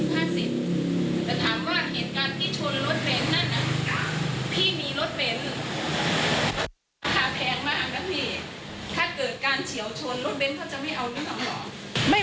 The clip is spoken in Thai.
ถ้าเกิดการเฉียวชนรถเบ้นเขาจะไม่เอานึกออกหรอ